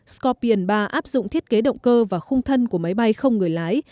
scopian ba áp dụng thiết kế động cơ và khung thân của máy bay không người lái